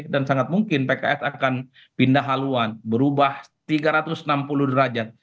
dan sangat mungkin pks akan pindah haluan berubah tiga ratus enam puluh derajat